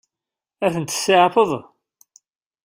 Ad tent-tseɛfeḍ?